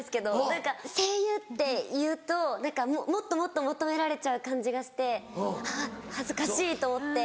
何か「声優」って言うともっともっと求められちゃう感じがして「あぁ恥ずかしい」と思って。